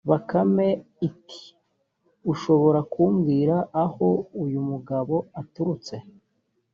bakame iti: ushobora kumbwira aho uyu mugabo aturutse